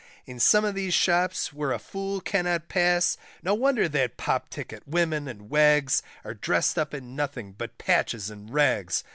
In some of these shops where a fool cannot pass. No wonder that Pop ticket, women and wags, Are dressed up in nothing but patches and rags.